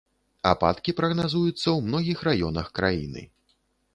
Ападкі прагназуюцца ў многіх раёнах краіны.